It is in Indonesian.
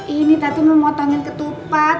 ini tati mau motongin ketupat